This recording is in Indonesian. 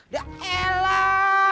dah eh lah